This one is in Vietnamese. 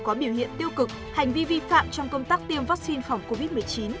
có biểu hiện tiêu cực hành vi vi phạm trong công tác tiêm vaccine phòng covid một mươi chín